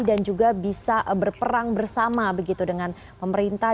dan juga bisa berperang bersama dengan pemerintah